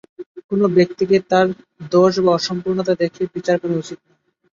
কোন ব্যক্তিকেই তার দোষ বা অসম্পূর্ণতা দেখে বিচার করা উচিত নয়।